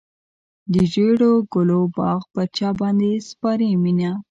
د ژړو ګلو باغ پر چا باندې سپارې مینه.